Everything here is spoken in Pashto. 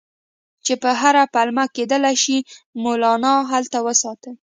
چې په هره پلمه کېدلای شي مولنا هلته وساتي.